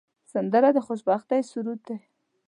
سندره د خوشبختۍ سرود دی